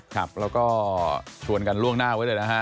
ครับแล้วก็ชวนกันล่วงหน้าไว้เลยนะฮะ